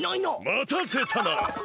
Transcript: またせたな！